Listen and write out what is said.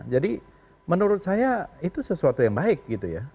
jadi menurut saya itu sesuatu yang baik gitu ya